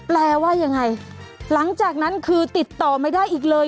แปลว่ายังไงหลังจากนั้นคือติดต่อไม่ได้อีกเลย